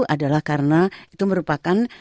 adalah karena itu merupakan